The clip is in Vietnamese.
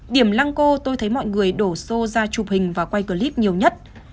điểm lang co tôi thấy mọi người đổ xô ra chụp hình và quay clip nhiều nhất